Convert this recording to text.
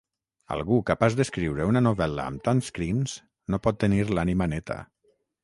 Algú capaç d'escriure una novel·la amb tants crims no pot tenir l'ànima neta.